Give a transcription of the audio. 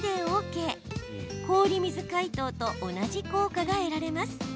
氷水解凍と同じ効果が得られます。